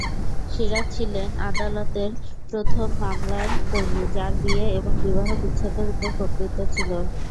সিরাজ ছিলেন আদালতের প্রথম মামলার কর্মী, যার বিয়ে এবং বিবাহ বিচ্ছেদের উপর কর্তৃত্ব ছিল।